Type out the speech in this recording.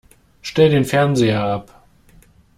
Stell den Fernseher ab!